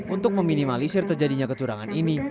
untuk meminimalisir terjadinya kecurangan ini